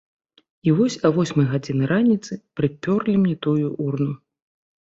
І вось а восьмай раніцы прыпёрлі мне тую урну.